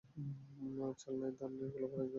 চাল নাই, ধান নাই, গোলাভরা ইদুঁর।